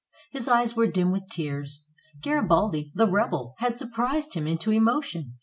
His eyes were dim with tears. Garibaldi, the rebel, had surprised him into emotion.